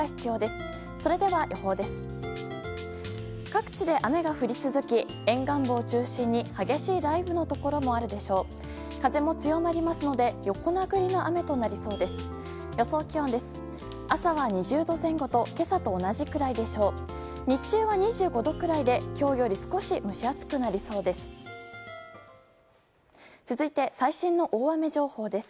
日中は２５度くらいで今日より少し蒸し暑くなりそうです。